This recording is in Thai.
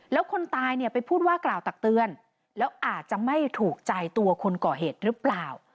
แล้วคนตายเนี่ยไปพูดว่ากล่าวตักเตือนแล้วอาจจะไม่ถูกใจตัวคนก่อเหตุหรือเปล่า